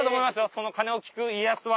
その鐘を聞く家康は。